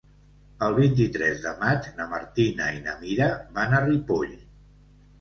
El vint-i-tres de maig na Martina i na Mira van a Ripoll.